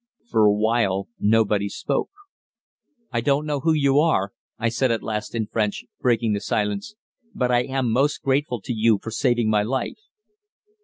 For a while nobody spoke. "I don't know who you are," I said at last in French, breaking the silence, "but I am most grateful to you for saving my life."